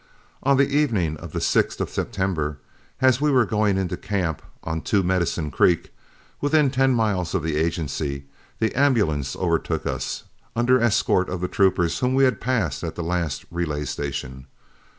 On the evening of the 6th of September, as we were going into camp on Two Medicine Creek, within ten miles of the agency, the ambulance overtook us, under escort of the troopers whom we had passed at the last relay station.